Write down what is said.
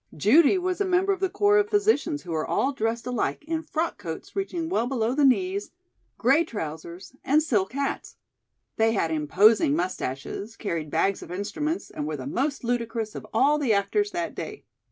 Judy was a member of the corps of physicians who were all dressed alike in frock coats reaching well below the knees, gray trousers and silk hats. They had imposing mustaches, carried bags of instruments and were the most ludicrous of all the actors that day.